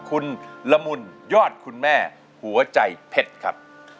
คุณละมุนยอดคุณแม่หัวใจเพชรครับ